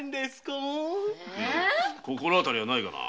心あたりはないがな。